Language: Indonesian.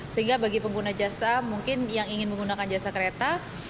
sehingga bagi pengguna jasa mungkin yang ingin menggunakan jasa kereta